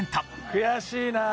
悔しいなあ。